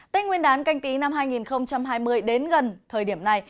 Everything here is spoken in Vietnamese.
tên nguyên đán canh tí năm hai nghìn hai mươi đến gần thời điểm này